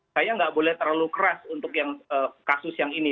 saya tidak boleh terlalu keras untuk kasus yang ini